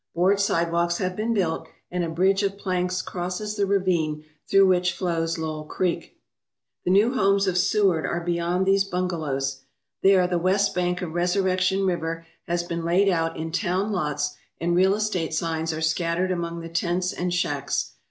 Board sidewalks have been built, and a bridge of planks crosses the ravine through which flows Lowell Creek. The new homes of Seward are beyond these bungalows. There the west bank of Resurrection River has been laid out in town lots and real estate signs are scattered among the tents and shacks.